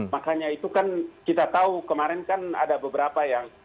makanya itu kan kita tahu kemarin kan ada beberapa yang